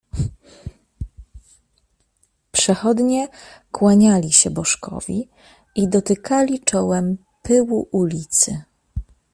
Przechodnie kłaniali się bożkowi i dotykali czołem pyłu ulicy.